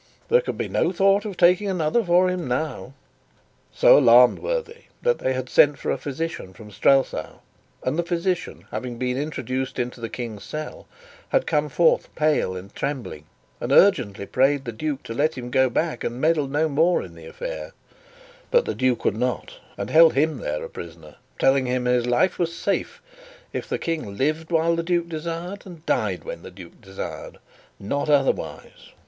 "There could be no thought of taking another for him now." So alarmed were they, that they had sent for a physician from Strelsau; and the physician having been introduced into the King's cell, had come forth pale and trembling, and urgently prayed the duke to let him go back and meddle no more in the affair; but the duke would not, and held him there a prisoner, telling him his life was safe if the King lived while the duke desired and died when the duke desired not otherwise.